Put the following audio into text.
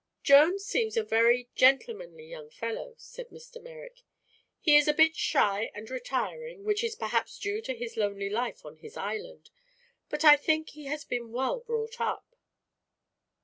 "Jones seems a vary gentlemanly young fellow," said Mr. Merrick. "He is a bit shy and retiring, which is perhaps due to his lonely life on his island; but I think he has been well brought up."